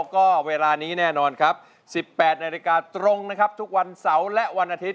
ก็เวลานี้แน่นอนครับ๑๘นาฬิกาตรงนะครับทุกวันเสาร์และวันอาทิตย